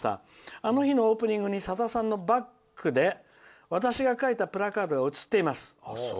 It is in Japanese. あの日のオープニングにさださんのバックで私が書いたプラカードが映っています。